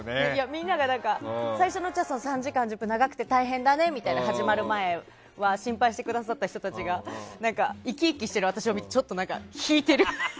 みんなが、最初のうちは３時間１０分長くて大変だねって心配してくださった人たちが生き生きしてる私を見てちょっと引いてる。